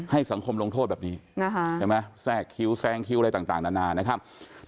ให้สังคมลงโทษแบบนี้แซ่งคิ้วอะไรต่างนานนะครับ